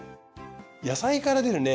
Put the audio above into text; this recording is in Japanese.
野菜から出るね